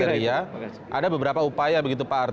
saya kira itu terima kasih ada beberapa upaya begitu pak arteria